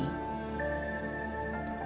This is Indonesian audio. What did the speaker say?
karena dia sudah berusaha